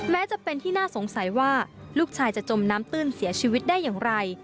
แม้จะเป็นที่น่าสงสัยว่าลูกชายจะจมน้ำตื้นเสียชีวิตได้อย่างไร